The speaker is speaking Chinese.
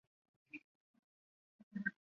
和州历阳县人。